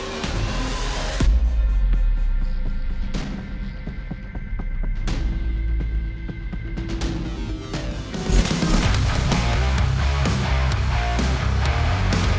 dia sudah kembali dan dia bersia sia dengan halle